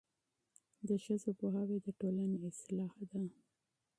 د ښځو پوهاوی د ټولنې اصلاح ده.